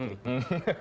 masalah pak ma'ruf